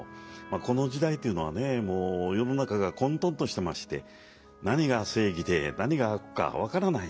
この時代というのはねもう世の中が混沌としてまして何が正義で何が悪か分からない。